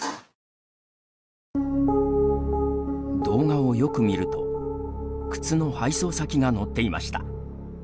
動画をよく見ると靴の配送先が載っていました。